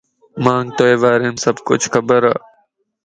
مانکَ توجي باريم سڀ کڇ خبرَ